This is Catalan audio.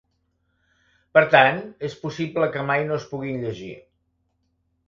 Per tant, és possible que mai no es puguin llegir.